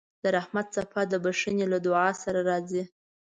د رحمت څپه د بښنې له دعا سره راځي.